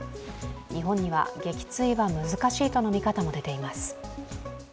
日本には撃墜は難しいとの見方も出ています。